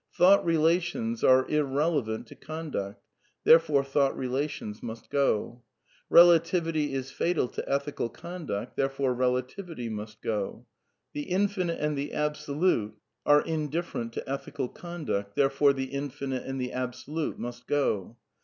" Thought relations *' are irrelevant to conduct, therefore " thought relations " must go. Eelativity is fatal to ethical conduct, therefore relativity must go. The Infinite and the Absolute are indifferent to ethical conduct, therefore the Infinite and the Absolute must go.